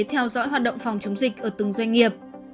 theo dõi hoạt động phòng chống dịch ở từng doanh nghiệp